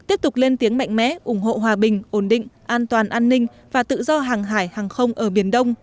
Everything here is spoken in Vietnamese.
tiếp tục lên tiếng mạnh mẽ ủng hộ hòa bình ổn định an toàn an ninh và tự do hàng hải hàng không ở biển đông